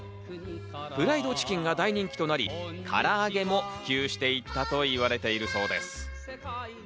フライドチキンが大人気となり、唐揚げも普及していったと言われているそうです。